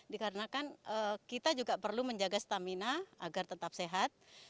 dikarenakan kita juga perlu menjaga stamina agar tetap sehat